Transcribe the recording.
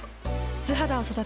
素肌を育てる。